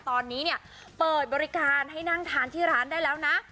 ตอนนี้เนี่ยเปิดบริการให้นั่งทานที่ร้านได้แล้วนะ